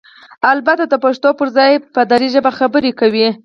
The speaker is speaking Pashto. البته دپښتو پرځای په ډري ژبه خبرې کوي؟!